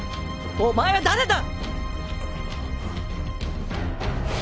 お前は誰だ！